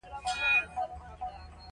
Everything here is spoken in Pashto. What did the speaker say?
کچالو د خلکو خوږ ملګری دی